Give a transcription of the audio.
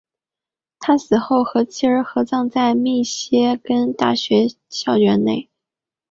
他死后和妻儿合葬在密歇根大学校园内。